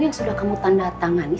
kamu mau memutuskan kontrak kerja kamu